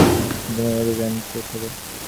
তিনি আশা করছেন, এক মাসের মধ্যেই এ অভিযান শেষ হবে।